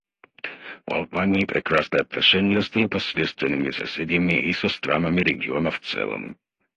У Албании прекрасные отношения с непосредственными соседями и со странами региона в целом.